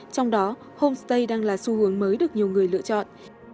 trong đó homestay đang là xu hướng mới được nhiều người lựa chọn